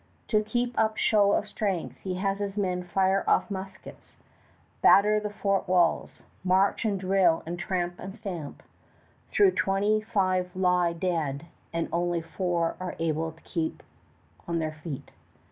To keep up show of strength he has his men fire off muskets, batter the fort walls, march and drill and tramp and stamp, though twenty five lie dead and only four are able to keep on their feet.